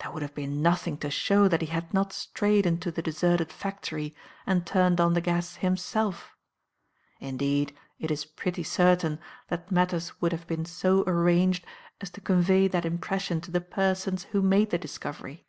There would have been nothing to show that he had not strayed into the deserted factory and turned on the gas himself; indeed, it is pretty certain that matters would have been so arranged as to convey that impression to the persons who made the discovery."